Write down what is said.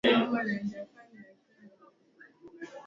ikiwa pamoja na kuhudumiwa kwa majeruhi